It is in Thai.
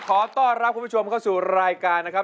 ขอต้อนรับคุณผู้ชมเข้าสู่รายการนะครับ